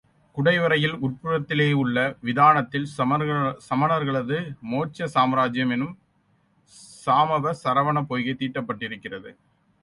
குடைவரையில் உட்புறத்திலேயுள்ள விதானத்தில் சமணர்களது மோட்ச சாம்ராஜ்யம் என்னும் சாமவ சரவணப் பொய்கை தீட்டப்பட்டிருக்கிறது.